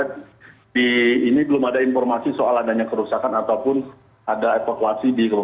tapi ini belum ada informasi soal adanya kerusakan ataupun ada evakuasi di kabupaten